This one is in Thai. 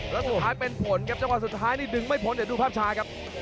แล้วสุดท้ายเป็นผลครับจังหวะสุดท้ายนี่ดึงไม่พ้นเดี๋ยวดูภาพช้าครับ